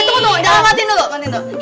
eh tunggu tunggu udah matiin dulu matiin tuh